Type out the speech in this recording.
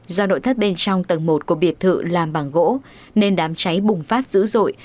do nội thất bên trong tầng một của biệt thự làm bằng gỗ nên đám cháy bùng phát dữ dội